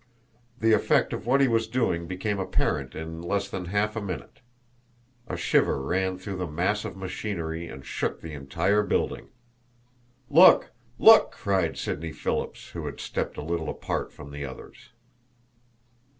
The effect of what he was doing became apparent in less than half a minute. A shiver ran through the mass of machinery and shook the entire building. "Look! look!" cried Sidney Phillips, who had stepped a little apart from the others.